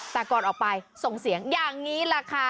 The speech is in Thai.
แต่ก่อนออกไปส่งเสียงอย่างนี้แหละค่ะ